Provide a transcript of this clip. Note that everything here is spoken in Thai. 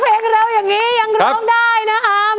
เพลงเราอย่างนี้ยังร้องได้นะครับ